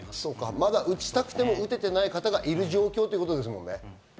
まだ打ちたくても打ててない方がいるという状況ですもんね。